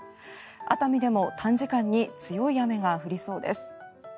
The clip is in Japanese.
熱海でも短時間に強い雨が降りそうです。